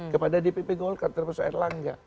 kepada dpp golkar termasuk erlangga